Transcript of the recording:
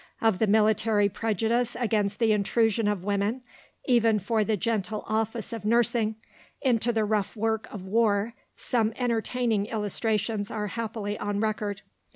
" Of the military prejudice against the intrusion of women, even for the gentle office of nursing, into the rough work of war, some entertaining illustrations are happily on record.